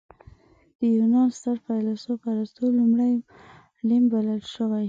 د یونان ستر فیلسوف ارسطو لومړی معلم بلل شوی.